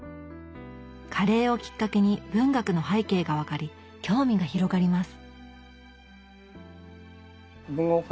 カレーをきっかけに文学の背景が分かり興味が広がります。